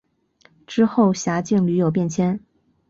之后辖境屡有变迁。